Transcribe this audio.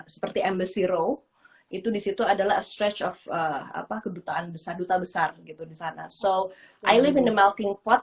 zero itu disitu adalah stretch of apa kedutaan besar besar gitu di sana so i live in the melting pot